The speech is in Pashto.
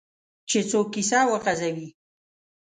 چې څوک کیسه وغځوي.